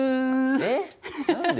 えっ何で？